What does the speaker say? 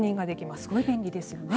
すごい便利ですよね。